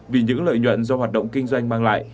vì những lợi nhuận do hoạt động kinh doanh mang lại